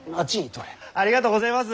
ありがとうごぜえます。